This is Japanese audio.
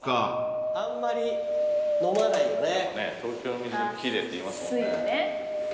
でもね東京の水奇麗っていいますもんね。